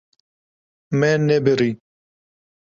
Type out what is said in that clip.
Me nebirî.